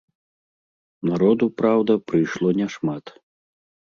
Народу, праўда, прыйшло не шмат.